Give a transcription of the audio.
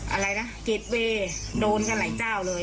อะไรนะจิตเวย์โดนกันหลายเจ้าเลย